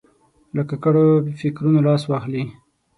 له ککړو فکرونو لاس واخلي.